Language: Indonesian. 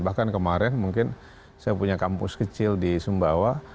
bahkan kemarin mungkin saya punya kampus kecil di sumbawa